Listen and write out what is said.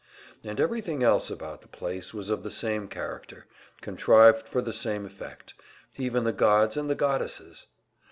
And everything else about the place was of the same character, contrived for the same effect even the gods and the goddesses!